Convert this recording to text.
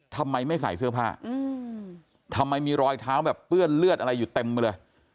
ทำไมไม่ใส่เสื้อผ้าทำไมมีรอยเท้าแบบเปื้อนเลือดอะไรอยู่เต็มไปเลย